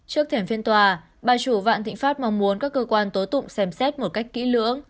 trước thềm phiên tòa bà chủ vạn thịnh pháp mong muốn các cơ quan tố tụng xem xét một cách kỹ lưỡng